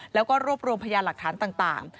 แล้วก็รวบรวมพยานหลักฐานต่าง